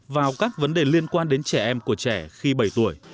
vào các vấn đề liên quan đến trẻ em của trẻ khi bảy tuổi